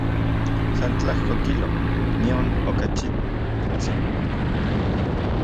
San tlajko kilo, nion okachitsin.